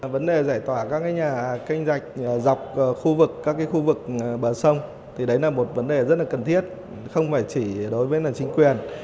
vấn đề giải tỏa các nhà canh dạch dọc khu vực các khu vực bờ sông thì đấy là một vấn đề rất là cần thiết không phải chỉ đối với chính quyền